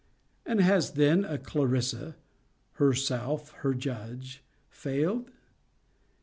'And has then a CLARISSA (herself her judge) failed?